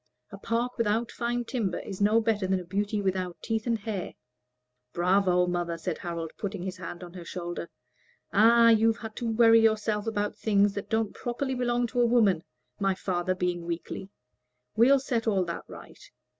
A park without fine timber is no better than a beauty without teeth and hair." "Bravo, mother!" said Harold, putting his hand on her shoulder. "Ah, you've had to worry yourself about things that don't properly belong to a woman my father being weakly. We'll set all that right.